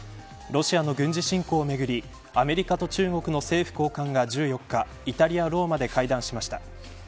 ロシアの軍事侵攻をめぐりアメリカと中国の政府高官が１４日イタリア、ローマで会談しました。